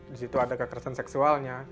di situ ada kekerasan seksualnya